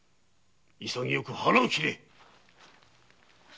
潔く腹を切れ